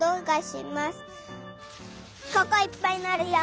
ここいっぱいなるよ。